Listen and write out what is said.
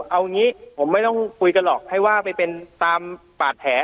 เอางี้ผมไม่ต้องคุยกันหรอกให้ว่าไปเป็นตามบาดแผล